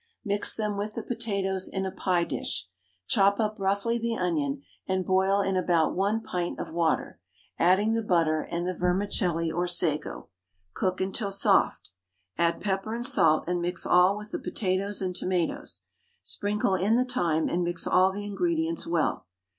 Mix them with the potatoes in a pie dish. Chop up roughly the onion, and boil in about 1 pint of water, adding the butter and the vermicelli or sago. Cook until soft. Add pepper and salt, and mix all with the potatoes and tomatoes. Sprinkle in the thyme, and mix all the ingredients well.